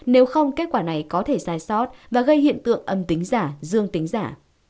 nếu không kết quả này có thể sai sót và gây hiện tượng âm tính giả dương tính giả